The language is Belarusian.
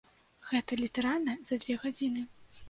Гэта літаральна за дзве гадзіны.